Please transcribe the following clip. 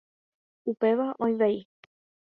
Upéva oĩ vai.